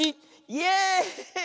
「イエーイ！」